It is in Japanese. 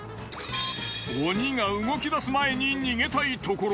鬼が動き出す前に逃げたいところ。